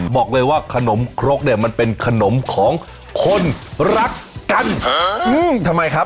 บอกเลยว่าขนมครกเนี่ยมันเป็นขนมของคนรักกันทำไมครับ